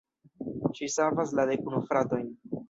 Ŝi savas la dekunu fratojn.